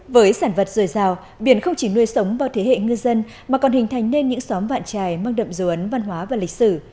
với sản vật dồi dào biển không chỉ nuôi sống vào thế hệ ngư dân mà còn hình thành nên những xóm vạn trài mang đậm dấu ấn văn hóa và lịch sử